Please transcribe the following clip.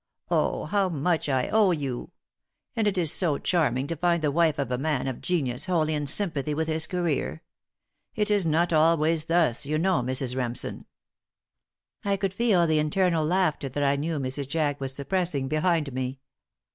Oh, how much I owe you! And it is so charming to find the wife of a man of genius wholly in sympathy with his career. It is not always thus, you know, Mrs. Remsen." I could feel the internal laughter that I knew Mrs. Jack was suppressing behind me.